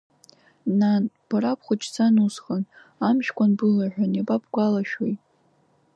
Нан, бара бхәыҷӡан усҟан, амшәкәан былаҳәан, иабабгәалашәои.